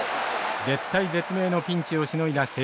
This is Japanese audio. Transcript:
絶体絶命のピンチをしのいだ星稜。